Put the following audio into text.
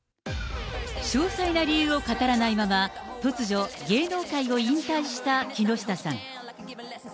詳細な理由を語らないまま、突如、芸能界を引退した木下さん。